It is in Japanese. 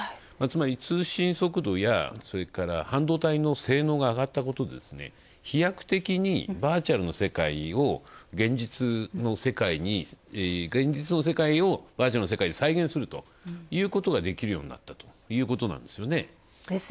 つまり通信速度やそれから半導体の性能が上がったことで飛躍的にバーチャルの世界を現実の世界に現実の世界をバーチャルの世界で再現するということができるようになったということなんです。